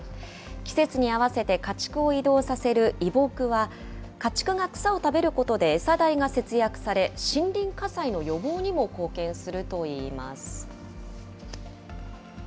季節に合わせて家畜を移動させる移牧は、家畜が草を食べることで餌代が節約され、森林火災の予防にも貢献するといいます。